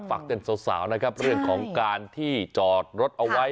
ฝากเตือนสาวนะครับเรื่องของการที่จอดรถเอาไว้